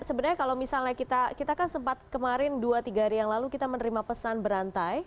sebenarnya kalau misalnya kita kan sempat kemarin dua tiga hari yang lalu kita menerima pesan berantai